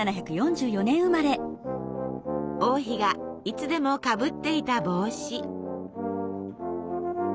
王妃がいつでもかぶっていた帽子。